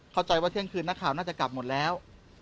เข้าใจว่าเที่ยงคืนนักข่าวน่าจะกลับหมดแล้ว